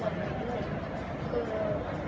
มันเป็นสิ่งที่จะให้ทุกคนรู้สึกว่า